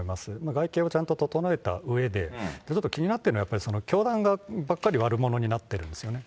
外形をちゃんと整えたうえで、例えば、気になってるのは、教団側ばっかり悪者になってるんですよね。